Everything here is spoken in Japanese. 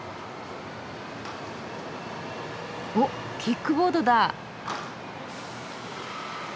おっキックボードだ。